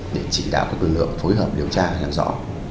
để chỉ đạo các lực lượng phối hợp điều tra và làm rõ